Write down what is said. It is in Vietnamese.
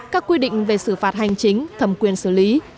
các quy định về xử phạt hành chính thẩm quyền xử lý